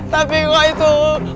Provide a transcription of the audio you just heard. tapi kok itu